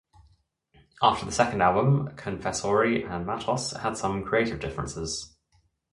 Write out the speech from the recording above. After the second album Confessori and Matos had some creative differences.